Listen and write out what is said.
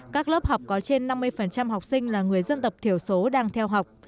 các lớp học có trên năm mươi học sinh là người dân tộc thiểu số đang theo học